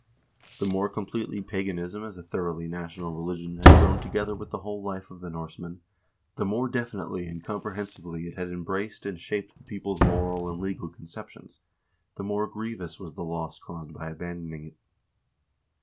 The more completely paganism as a thoroughly national religion had grown together with the whole life of the Norsemen, the more definitely and comprehensively it had embraced and shaped the people's moral and legal conceptions, the more grievous was the loss caused by abandoning it.